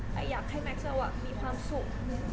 แต่อยากให้แม็กเซลมีความสุข